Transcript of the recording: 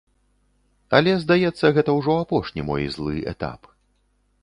Але, здаецца, гэта ўжо апошні мой злы этап.